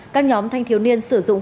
các nhóm thanh thiếu niên sử dụng